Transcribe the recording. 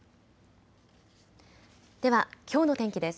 ではきょうの天気です。